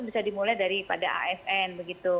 bisa dimulai dari pada asn